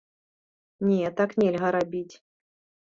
Не, так нельга рабіць.